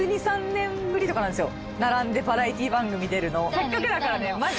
せっかくだからね。